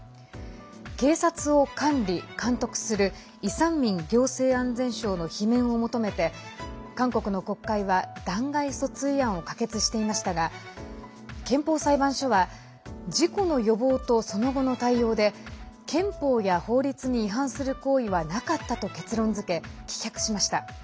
警察を管理・監督するイ・サンミン行政安全相の罷免を求めて韓国の国会は弾劾訴追案を可決していましたが憲法裁判所は事故の予防とその後の対応で憲法や法律に違反する行為はなかったと結論付け棄却しました。